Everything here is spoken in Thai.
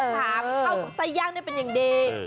ขามันเข้ากับไส้ย่างได้เป็นอย่างดี